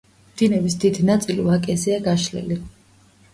დინების დიდი ნაწილი ვაკეზეა გაშლილი.